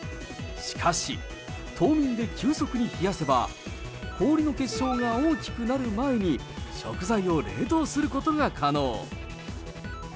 しかし、凍眠で急速に冷やせば、氷の結晶が大きくなる前に、食材を冷凍することが可能。